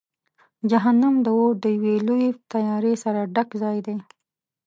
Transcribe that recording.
جهنم د اور د یوې لویې تیارې سره ډک ځای دی.